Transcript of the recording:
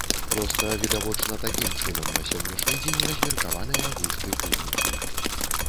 Проста, відавочна, такім чынам на сённяшні дзень размеркаваныя густы публікі.